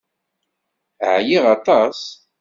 Ɛyiɣ aṭas.